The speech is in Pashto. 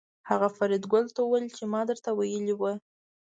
هغه فریدګل ته وویل چې ما درته ویلي وو